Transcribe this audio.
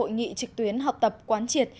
hội nghị trực tuyến học tập quán triệt